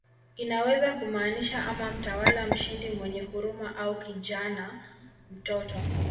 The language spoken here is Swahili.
Inaweza kumaanisha ama "mtawala mshindi mwenye huruma" au "kijana, mtoto".